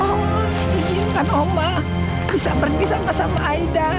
ingin kan oma bisa pergi sama sama aida